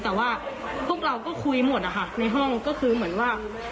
แต่ว่าพวกเราก็คุยหมดนะคะในห้องก็คือเหมือนว่า